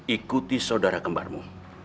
ikuti saudara kembarmu